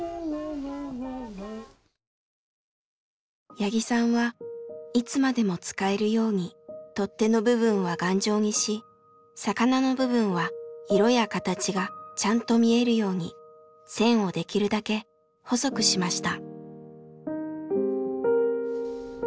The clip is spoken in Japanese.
八木さんはいつまでも使えるように取っ手の部分は頑丈にし魚の部分は色や形がちゃんと見えるように線をできるだけ細くしました。